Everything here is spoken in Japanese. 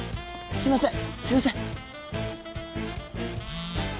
すいません。